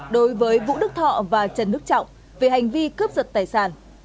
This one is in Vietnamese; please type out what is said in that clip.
đối với vũ đức thọ và trần đức trọng về hành vi cướp giật tài sản